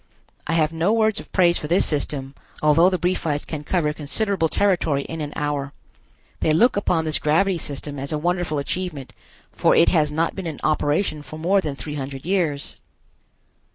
I have no words of praise for this system, although the Briefites can cover considerable territory in an hour. They look upon this gravity system as a wonderful achievement, for it has not been in operation for more than three hundred years.